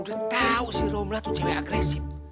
udah tau sih romla tuh cewek agresif